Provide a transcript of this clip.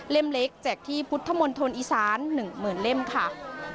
เล่มเล็กแจกที่พุทธมนต์ธนอีสาน๑๐๐๐๐เล่มค่ะ